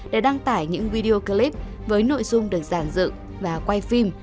để đăng tải những video clip với nội dung được giàn dựng và quay phim